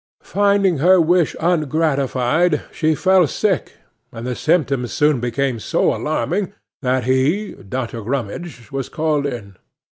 Finding her wish ungratified, she fell sick, and the symptoms soon became so alarming, that he (Dr. Grummidge) was called in.